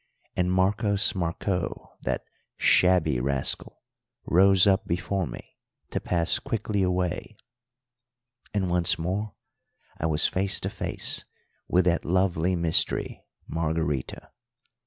and Marcos Marcó, that shabby rascal, rose up before me to pass quickly away, and once more I was face to face with that lovely mystery Margarita.